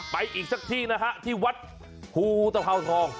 อีกสักที่นะฮะที่วัดภูตภาวทอง